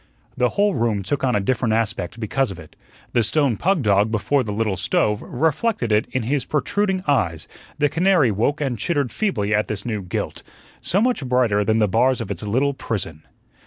The whole room took on a different aspect because of it. The stone pug dog before the little stove reflected it in his protruding eyes; the canary woke and chittered feebly at this new gilt, so much brighter than the bars of its little prison.